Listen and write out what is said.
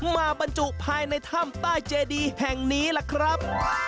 บรรจุภายในถ้ำใต้เจดีแห่งนี้ล่ะครับ